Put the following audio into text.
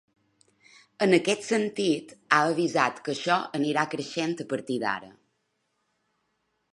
En aquest sentit, ha avisat que “això anirà creixent a partir d’ara”.